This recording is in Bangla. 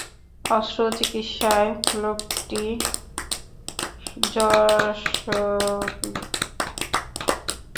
অস্ত্রচিকিৎসায় লোকটি যশস্বী।